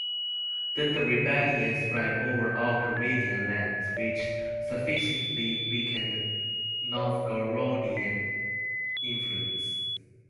Then the rebellion spread over all Karelian lands, which sufficiently weakened Novgorodian influence.